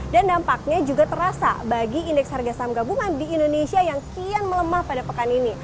dan dampaknya juga terasa bagi indeks harga saham gabungan di indonesia yang kian melemah pada pekan ini